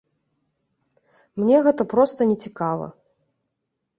Мне гэта проста нецікава.